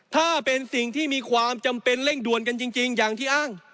ถ้าเป็นสิ่งที่มีความจำเป็นเร่งด่วนกันจริงอย่างที่อ้าง